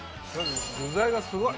具材がすごい。